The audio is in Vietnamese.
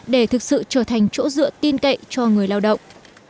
để thực sự trở thành chỗ dựa tin cậy cho người lao động